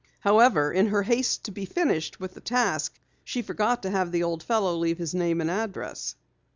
However, in her haste to be finished with the task, she forgot to have the old fellow leave name and address.